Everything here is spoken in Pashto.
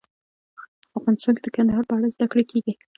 افغانستان کې د کندهار په اړه زده کړه کېږي.